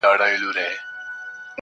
پر دې دُنیا سوځم پر هغه دُنیا هم سوځمه؟